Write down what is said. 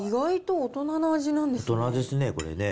大人ですね、これね。